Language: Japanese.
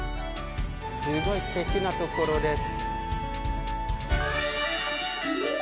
すごいすてきなところです。